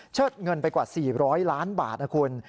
เงินไปกว่า๔๐๐ล้านบาทนะคุณ